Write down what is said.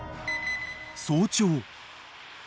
［早朝］